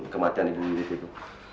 kematian ibu wirit itu